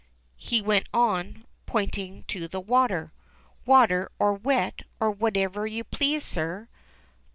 he went on, pointing to the water. "Water or wet, or whatever you please, sir."